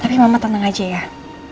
tapi mama tenang aja ya